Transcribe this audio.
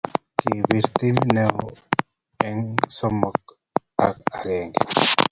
Kisiir timit nenyo eng somok eng agenge